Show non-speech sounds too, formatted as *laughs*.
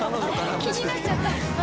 田村）気になっちゃった *laughs*